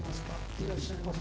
いらっしゃいませ。